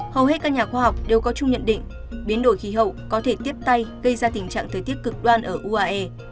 hầu hết các nhà khoa học đều có chung nhận định biến đổi khí hậu có thể tiếp tay gây ra tình trạng thời tiết cực đoan ở uae